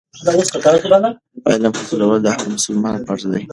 علم حاصلول د هر مسلمان فرض دی.